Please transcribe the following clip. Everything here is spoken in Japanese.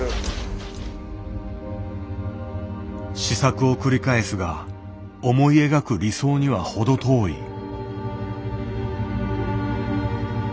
試作を繰り返すが思い描く理想には程遠い。